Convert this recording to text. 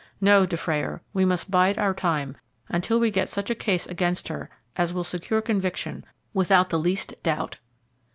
No, Dufrayer, we must bide our time until we get such a case against her as will secure conviction without the least doubt."